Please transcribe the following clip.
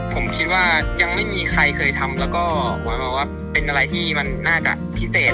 ผมคิดว่ายังไม่มีใครเคยทำและเป็นอะไรที่มันน่าจะพิเศษ